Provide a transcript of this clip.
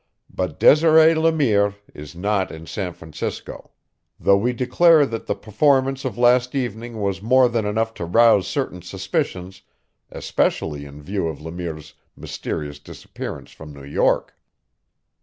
But Desiree Le Mire is not in San Francisco; though we declare that the performance of last evening was more than enough to rouse certain suspicions, especially in view of Le Mire's mysterious disappearance from New York.